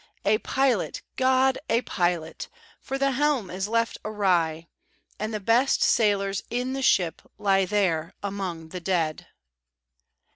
A pilot, GOD, a pilot! for the helm is left awry, And the best sailors in the ship lie there among the dead!"